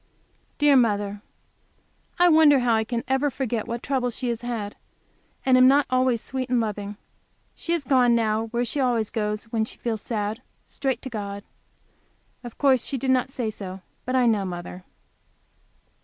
Dear mother! I wonder I ever forget what troubles she has had, and am not always sweet and loving. She has gone now, where she always goes when she feels sad, straight to God. Of course she did not say so, but I know mother.